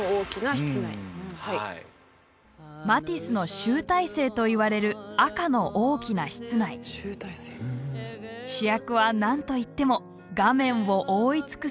マティスの集大成といわれる主役は何といっても画面を覆い尽くす「赤」。